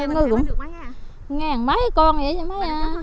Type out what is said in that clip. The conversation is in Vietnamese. ngàn mấy con vậy cho má